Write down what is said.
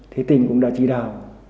thì tỉnh cũng đã chỉ đạo